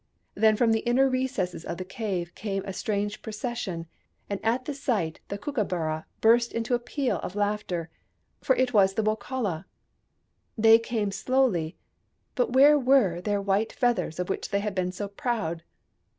Then, from the inner recesses of the cave came a strange procession, and at the sight the Kooka burra burst into a peal of laughter. For it was the Wokala. They came slowly — but where were their white feathers, of which they had been so proud